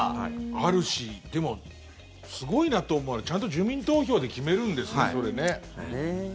あるしでも、すごいなと思うのはちゃんと住民投票で決めるんですね、それね。